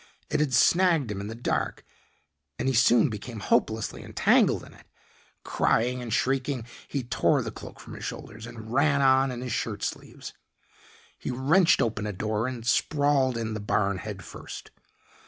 It had snagged him in the dark, and he soon became hopelessly entangled in it. Crying and shrieking, he tore the cloak from his shoulders and ran on in his shirt sleeves. He wrenched open a door and sprawled in the barn head first.